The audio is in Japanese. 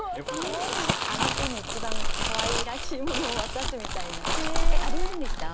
あの子に一番かわいらしいものを渡すみたいな。ありませんでした？